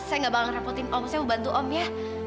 saya gak bakal ngerepotin om saya mau bantu om ya